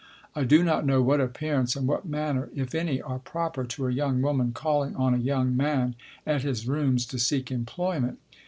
I do not know what appearance and what manner, if any, are proper to a young woman calling on a young man at his rooms to seek employment.